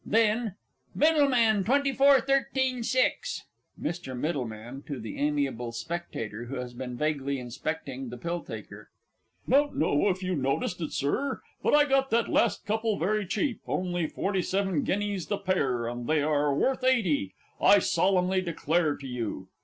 Then, MIDDLEMAN, Twenty four, thirteen, six. MR. MIDDLEMAN (to the AMIABLE SPECTATOR, who has been vaguely inspecting the "Pill taker"). Don't know if you noticed it, Sir, but I got that last couple very cheap on'y forty seven guineas the pair, and they are worth eighty, I solemnly declare to you.